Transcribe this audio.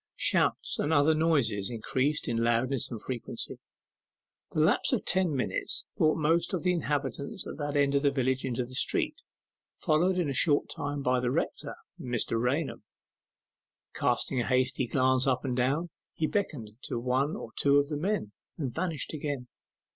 Shouts and other noises increased in loudness and frequency. The lapse of ten minutes brought most of the inhabitants of that end of the village into the street, followed in a short time by the rector, Mr. Raunham. Casting a hasty glance up and down, he beckoned to one or two of the men, and vanished again.